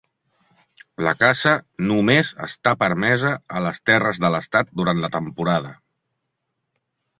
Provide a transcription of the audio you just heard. La caça només està permesa a les terres de l'Estat durant la temporada.